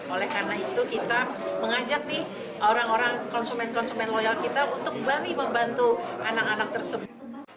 oleh karena itu kita mengajak konsumen konsumen loyal kita untuk balik membantu anak anak tersebut